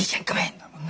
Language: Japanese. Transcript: だもんな。